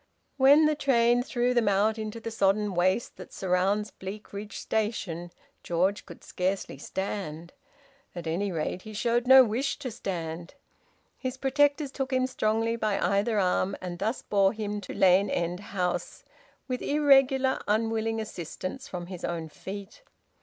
When the train threw them out into the sodden waste that surrounds Bleakridge Station, George could scarcely stand. At any rate he showed no wish to stand. His protectors took him strongly by either arm, and thus bore him to Lane End House, with irregular unwilling assistance from his own feet.